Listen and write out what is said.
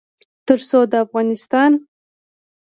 تر څو د افغانستان